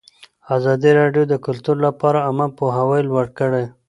ازادي راډیو د کلتور لپاره عامه پوهاوي لوړ کړی.